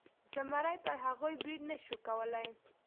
زمري پر هغوی برید نشو کولی.